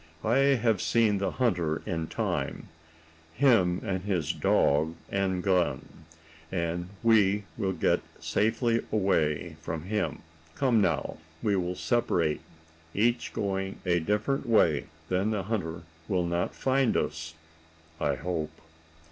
"I have seen the hunter in time him and his dog and gun and we will get safely away from him. Come now, we will separate, each going a different way; then the hunter will not find us, I hope."